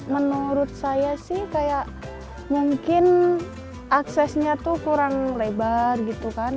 menurut saya sih kayak mungkin aksesnya tuh kurang lebar gitu kan